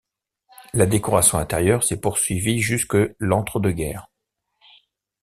La décoration intérieure s'est poursuivie jusque l'entre-deux-guerres.